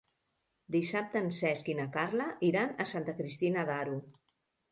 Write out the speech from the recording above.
Dissabte en Cesc i na Carla iran a Santa Cristina d'Aro.